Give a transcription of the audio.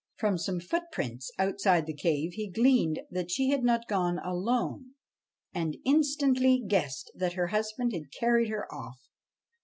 From same footprints outside the cave he gleaned that she had not gone alone, and instantly guessed that her husband had carried her off.